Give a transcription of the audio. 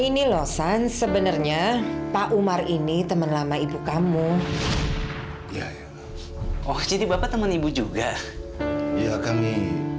ini loh san sebenarnya pak umar ini teman lama ibu kamu oh jadi bapak teman ibu juga ya kami